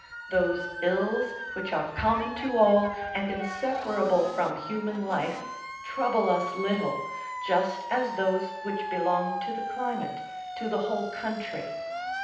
Those ills which are common to all and inseparable from human life trouble us little, just as those which belong to the climate, to the whole country.